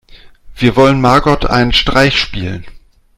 Wir wollen Margot einen Streich spielen.